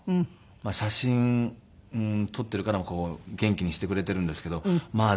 写真撮っているからこう元気にしてくれているんですけどまあ